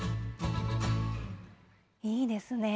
いいですね。